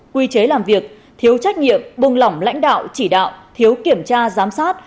quy chế làm việc thiếu trách nhiệm buông lỏng lãnh đạo chỉ đạo thiếu kiểm tra giám sát